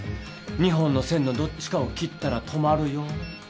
２本の線のどっちかを切ったら止まるよん」。